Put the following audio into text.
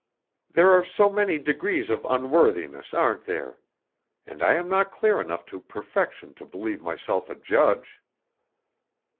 "There are so many degrees of unworthiness, aren't there? And I am not near enough to perfection to believe myself a judge."